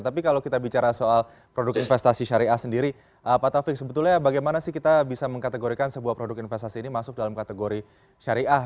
tapi kalau kita bicara soal produk investasi syariah sendiri pak taufik sebetulnya bagaimana sih kita bisa mengkategorikan sebuah produk investasi ini masuk dalam kategori syariah